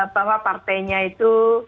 bahwa partainya itu